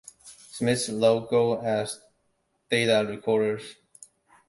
Smiths logo as "data recorders".